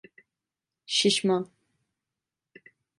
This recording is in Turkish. Şişman.